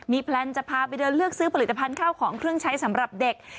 แพลนจะพาไปเดินเลือกซื้อผลิตภัณฑ์ข้าวของเครื่องใช้สำหรับเด็ก